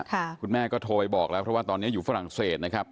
คุณแม่ก็โทรไปบอกแล้วเพราะว่าตอนนี้อยู่ฝรั่งเศสนะครับ